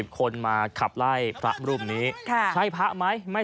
เธอไม่เคยที่จะลงทางวัดไม่เคยบินทบาท